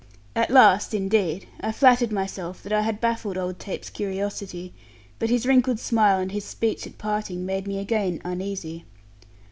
At last, indeed, I flattered myself that I had baffled old Tape's curiosity; but his wrinkled smile and his speech at parting made me again uneasy.